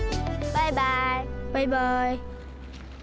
バイバイ。